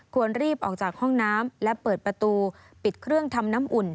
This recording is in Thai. ควรรีบออกจากห้องน้ำและเปิดประตูปิดเครื่องทำน้ำอุ่น